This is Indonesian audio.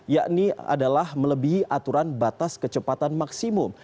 yakni adalah melebihi aturan batas kecepatan maksimum